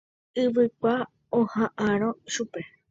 Yvykua oha'ãrõ chupe.